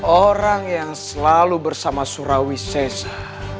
orang yang selalu bersama surawi sesa